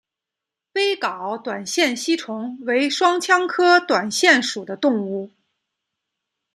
微睾短腺吸虫为双腔科短腺属的动物。